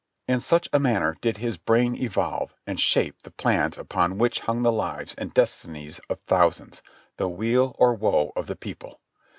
In such a manner did his brain evolve and shape the plans upon which hung the hves and destinies of thousands, the weal or woe of a people.